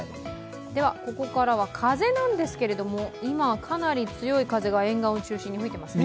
ここからは風なんですけれども、今、かなり強い風が沿岸を中心に吹いていますね？